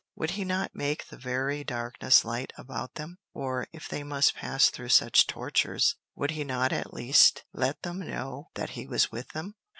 Would he not make the very darkness light about them? Or, if they must pass through such tortures, would he not at least let them know that he was with them?